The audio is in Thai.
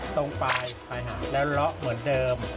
ตรงปลายหางแล้วเลาะเหมือนเดิม